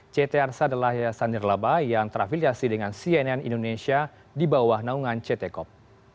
ct arsa adalah yayasan jelaba yang terafiliasi dengan cnn indonesia di bawah naungan ctkop